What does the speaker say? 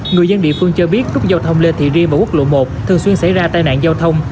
người dân địa phương cho biết nút giao thông lê thị riêng và quốc lộ một thường xuyên xảy ra tai nạn giao thông